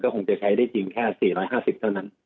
คงจะใช้ได้จริงแค่๔๕๐เท่านั้น